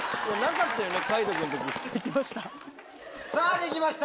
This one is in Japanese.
できました。